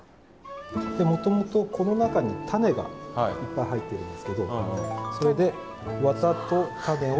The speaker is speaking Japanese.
もともとこの中に種がいっぱい入ってるんですけどそれで綿と種を。